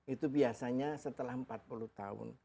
itu biasanya setelah empat puluh tahun